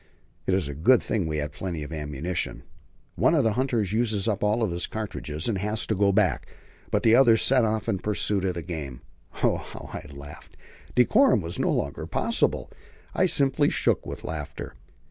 It is a good thing we have plenty of ammunition. One of the hunters uses up all his cartridges and has to go back, but the other sets off in pursuit of the game. Oh, how I laughed! Decorum was no longer possible; I simply shook with laughter.